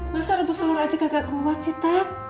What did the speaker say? masa rebus telor aja kagak kuat sih tat